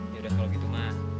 yaudah kalau gitu ma